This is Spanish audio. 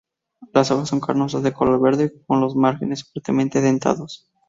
Las hojas son carnosas de color verde con los márgenes fuertemente dentados.